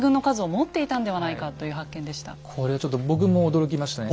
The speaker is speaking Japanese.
これはちょっと僕も驚きましたね。